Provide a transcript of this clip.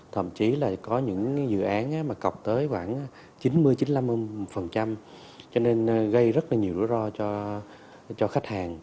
thậm chí là có những dự án mà cọc tới khoảng chín mươi chín mươi năm cho nên gây rất là nhiều rủi ro cho khách hàng